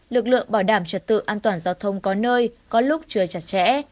lực lượng bảo đảm trật tự an toàn giao thông có nơi có lúc chưa chặt chẽ